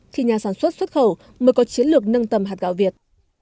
thì nhà sản xuất xuất khẩu mới có chiến lược nâng tầm hạt gạo việt